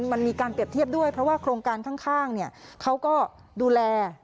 มันมีการเปรียบเทียบด้วยเพราะว่าโครงการข้างเขาก็ดูแล